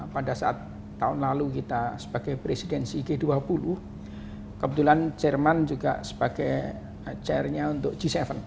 pada saat tahun lalu kita sebagai presidensi g dua puluh kebetulan jerman juga sebagai chairnya untuk g tujuh